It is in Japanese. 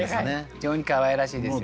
非常にかわいらしいですよね。